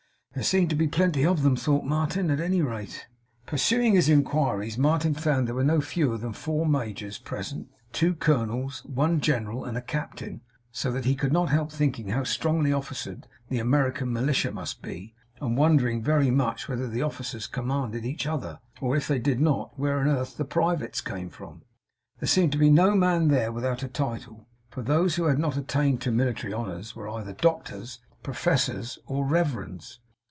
'There seem to be plenty of 'em,' thought Martin, 'at any rate.' Pursuing his inquiries Martin found that there were no fewer than four majors present, two colonels, one general, and a captain, so that he could not help thinking how strongly officered the American militia must be; and wondering very much whether the officers commanded each other; or if they did not, where on earth the privates came from. There seemed to be no man there without a title; for those who had not attained to military honours were either doctors, professors, or reverends.